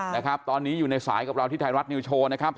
นะครับตอนนี้อยู่ในสายกับเราที่ไทยรัฐนิวโชว์นะครับ